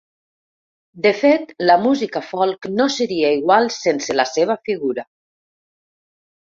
De fet, la música folk no seria igual sense la seva figura.